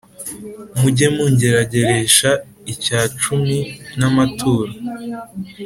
Mujye mungerageresha icyacumi n’amaturo